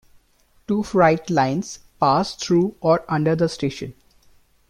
Two freight lines passed through or under the station.